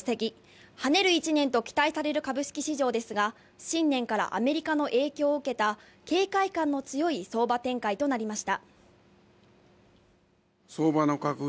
跳ねる１年と期待される株式市場ですが、新年からアメリカの影響を受けた警戒感の強い相場展開となりました。